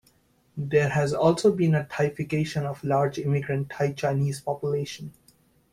There has also been a Thaification of the large immigrant Thai Chinese population.